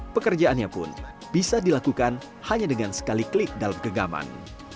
pekerjaannya pun bisa dilakukan hanya dengan sekali klik dalam genggaman